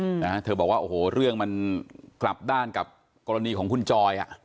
อืมนะฮะเธอบอกว่าโอ้โหเรื่องมันกลับด้านกับกรณีของคุณจอยอ่ะ